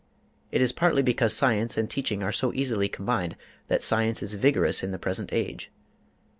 It is partly because science and teaching are so easily combined that science is vigorous in the present age.